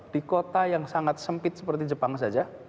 di kota yang sangat sempit seperti jepang saja